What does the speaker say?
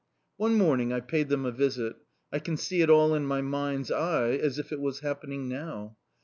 "One morning I paid them a visit I can see it all in my mind's eye, as if it was happening now.